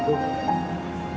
jangan terlalu akan penyakit